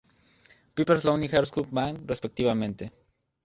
Pepper’s Lonely Hearts Club Band" respectivamente.